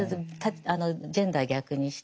ジェンダー逆にして。